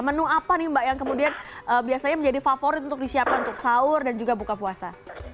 menu apa nih mbak yang kemudian biasanya menjadi favorit untuk disiapkan untuk sahur dan juga buka puasa